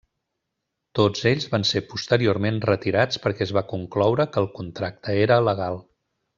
Tots ells van ser posteriorment retirats perquè es va concloure que el contracte era legal.